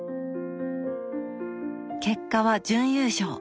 結果は準優勝。